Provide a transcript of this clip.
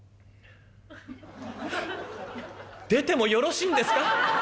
「出てもよろしいんですか？」。